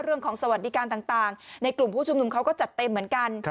สวัสดิการต่างในกลุ่มผู้ชุมนุมเขาก็จัดเต็มเหมือนกัน